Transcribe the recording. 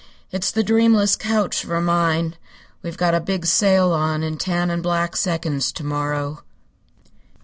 "It's the dreamless couch for mine. We've got a big sale on in tan and black seconds to morrow."